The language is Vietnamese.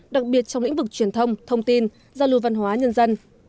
đặc biệt trong lĩnh vực truyền thông thông tin giao lưu văn hóa nhân dân